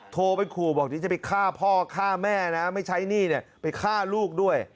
โทรไปครูบอกว่าจะไปฆ่าพ่อฆ่าแม่นะไม่ใช้หนี้ไปฆ่าลูกด้วย